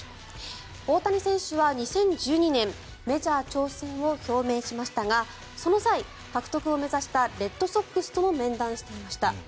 大谷選手は２０１２年メジャー挑戦を表明しましたがその際、獲得を目指したレッドソックスとも面談していました。